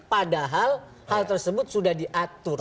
padahal hal tersebut sudah diatur